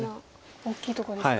大きいとこですか。